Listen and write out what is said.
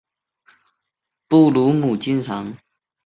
布鲁姆经常同时描绘毁坏与重建。